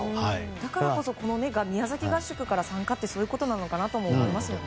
だからこそ宮崎合宿から参加ということはそういうことなのかなと思いますよね。